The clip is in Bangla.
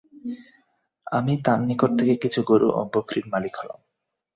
আমি তার নিকট থেকে কিছু গরু ও বকরীর মালিক হলাম।